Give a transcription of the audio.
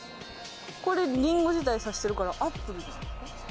これリンゴ自体さしてるからアップルじゃないですか？